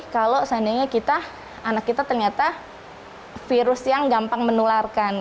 kalau seandainya kita anak kita ternyata virus yang gampang menularkan